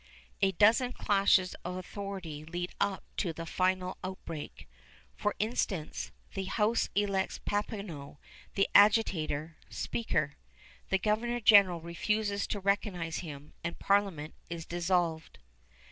A dozen clashes of authority lead up to the final outbreak. For instance, the House elects Papineau, the agitator, speaker. The Governor General refuses to recognize him, and Parliament is dissolved.